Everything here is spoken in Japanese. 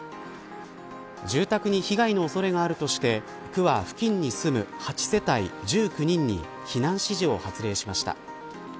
住宅に被害の恐れがあるとして区は付近に住む８世帯１９人に避難指示を発令しました。